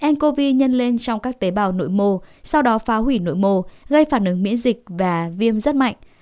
ncov nhân lên trong các tế bào nội mô sau đó phá hủy nội mô gây phản ứng miễn dịch và viêm rất mạnh